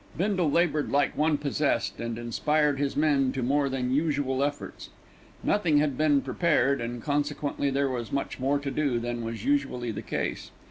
Bindle laboured like one possessed, and inspired his men to more than usual efforts. Nothing had been prepared, and consequently there was much more to do than was usually the case.